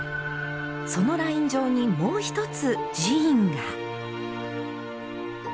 そのライン上にもう一つ寺院が。